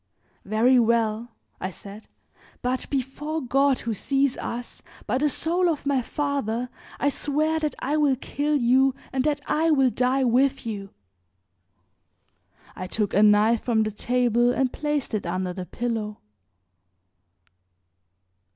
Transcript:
"Very well," I said, "but before God who sees us, by the soul of my father, I swear that I will kill you and that I will die with you." I took a knife from the table and placed it under the pillow.